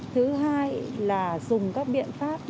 thứ hai là dùng các biện pháp